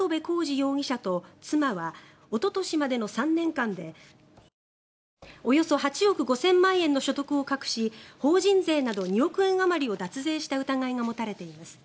容疑者と妻はおととしまでの３年間でおよそ８億５０００万円の所得を隠し法人税など２億円あまりを脱税した疑いが持たれています。